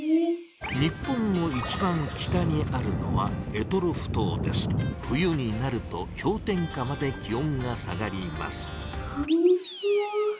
日本の一番北にあるのは冬になるとひょう点下まで気おんが下がりますさむそう。